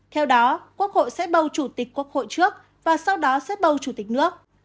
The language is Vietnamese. theo đó quốc hội sẽ bầu chủ tịch quốc hội trước và sau đó sẽ bầu chủ tịch nước